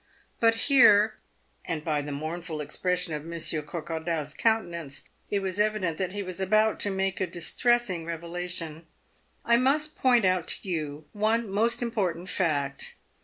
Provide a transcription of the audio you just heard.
" But here" — and by the mournful expression of Monsieur Coquar dau's countenance it was evident that he was about to make a dis tressing revelation —" I must point out to you one most important fact.